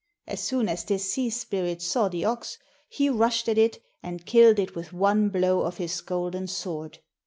As soon as this sea spirit saw the ox, he rushed at it and killed it with one blow of his golden sword.